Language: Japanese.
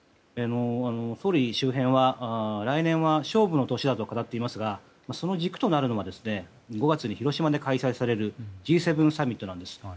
総理周辺は来年は勝負の年だと語っていますがその軸となるのは５月に広島で開催されるＧ７サミットなんです。